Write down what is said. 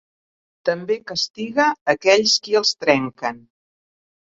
També castiga aquells qui els trenquen.